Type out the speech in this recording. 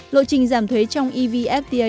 lộ trình giảm thuế trong evfta